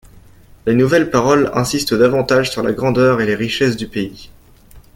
Les nouvelles paroles insistent davantage sur la grandeur et les richesses du pays.